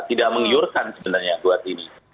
tidak menggiurkan sebenarnya buat ini